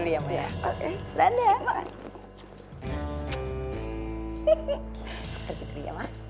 yaudah aku belanja dulu ya ma